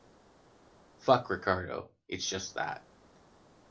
Fuck, Ricardo! It’s just that...